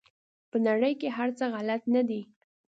په نړۍ کې هر څه غلط نه دي.